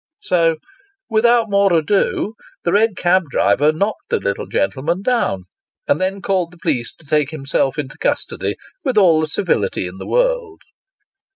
" So, without more ado, the red cab driver knocked the little gentle man down, and then called the police to take himself into custody, with all the civility in the world.